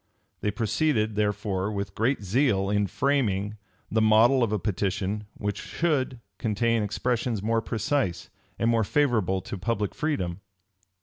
They proceeded, therefore, with great zeal, in framing, the model of a petition which should contain expressions more precise, and more favorable to public freedom.